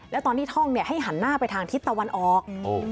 แล้วตอนที่ท่องให้หันหน้าไปทางทิศตะวันออก